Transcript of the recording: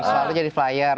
selalu jadi flyer